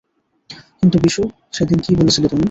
কিন্তু, বিশু-- -সেদিন কী বলেছিলে তুমি?